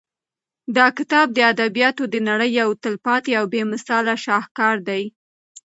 دا کتاب د ادبیاتو د نړۍ یو تلپاتې او بې مثاله شاهکار دی.